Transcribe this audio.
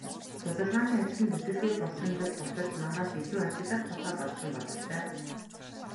Судалгааны ажил нь бүтэлгүй болсонд л гутарч маргааш илүү ажиллах тухай бодсон бололтой.